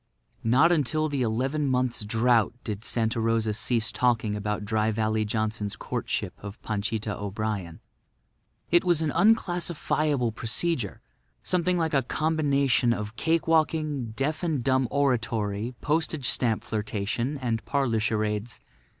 Not until the eleven months' drought did Santa Rosa cease talking about Dry Valley Johnson's courtship of Panchita O'Brien. It was an unclassifiable procedure; something like a combination of cake walking, deaf and dumb oratory, postage stamp flirtation and parlour charades.